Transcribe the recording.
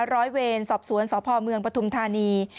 ร้อยเวรสอบสวนสพมปทุมธานี